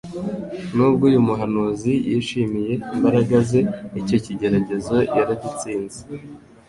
Nubwo uyu muhanuzi yishimiye imbaraga ze, icyo kigeragezo yaragitsinze.